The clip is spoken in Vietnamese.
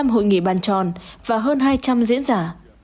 hai mươi năm hội nghị bàn tròn và hơn hai trăm linh diễn giả